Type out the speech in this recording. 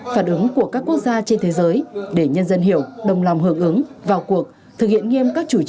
phản ứng của các quốc gia trên thế giới để nhân dân hiểu đồng lòng hợp ứng vào cuộc